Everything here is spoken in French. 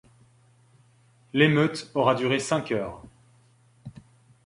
L'émeute aura duré cinq heures.